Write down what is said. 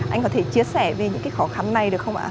anh có thể chia sẻ về những cái khó khăn này được không ạ